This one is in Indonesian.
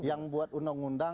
yang buat undang undang